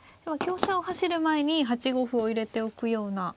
香車を走る前に８五歩を入れておくような。